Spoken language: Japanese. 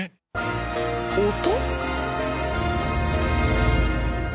音？